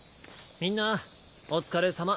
みんなお疲れさま。